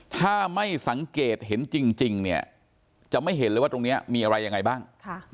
ถ้าไม่สังเกตเห็นจริงเนี่ยจะไม่เห็นเลยว่าตรงนี้มีอะไรยังไงบ้าง